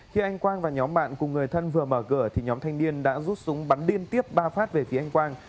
khi anh quang và nhóm bạn cùng người thân vừa mở cửa thì nhóm thanh niên đã rút súng bắn liên tiếp ba phát về phía anh quang